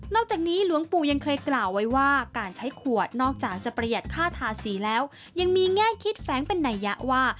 อกจากนี้หลวงปู่ยังเคยกล่าวไว้ว่าการใช้ขวดนอกจากจะประหยัดค่าทาสีแล้วยังมีแง่คิดแฟ้งเป็นนัยยะว่า